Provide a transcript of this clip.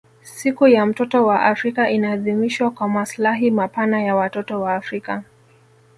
Siku ya mtoto wa Afrika inaadhimishwa kwa maslahi mapana ya watoto wa Afrika